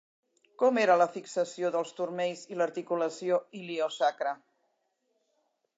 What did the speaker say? Com era la fixació dels turmells i l'articulació iliosacra?